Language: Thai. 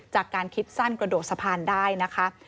จากการคิดสั้นกระโดดสะพานได้นะคะ